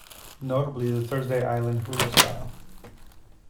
Notably the Thursday Island 'hula' style.